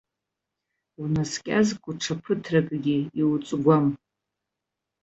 Унаскьазго ҽа ԥыҭракгьы иуҵгәан.